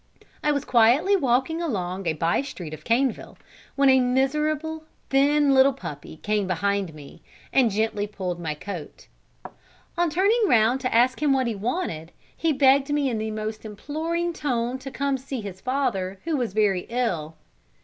I was quietly walking along a bye street of Caneville, when a miserable, thin, little puppy came behind me, and gently pulled my coat. On turning round to ask him what he wanted, he begged me in the most imploring tone to come and see his father, who was very ill.